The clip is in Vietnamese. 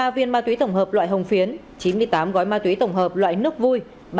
một mươi một một trăm chín mươi ba viên ma túy tổng hợp loại hồng phiến chín mươi tám gói ma túy tổng hợp loại nước vui